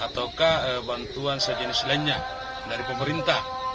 ataukah bantuan sejenis lainnya dari pemerintah